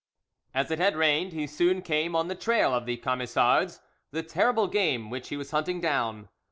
As it had rained, he soon came on the trail of the Camisards, the terrible game which he was hunting down.